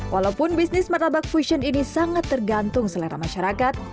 walaupun bisnis martabak fusion ini sangat tergantung selera masyarakat